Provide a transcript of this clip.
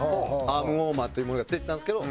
アームウォーマーっていうものが付いてたんですけど